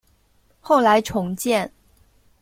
后来重建。